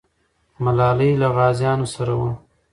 ملالۍ له غازیانو سره وه.